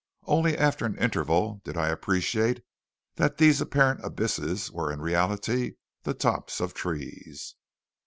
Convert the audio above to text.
Only after an interval did I appreciate that these apparent abysses were in reality the tops of trees!